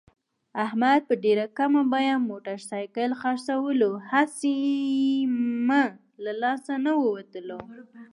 احمد په ډېره کمه بیه موټرسایکل خرڅولو، هسې مه له لاس نه ووتلو.